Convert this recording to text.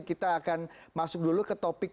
kita akan masuk dulu ke topik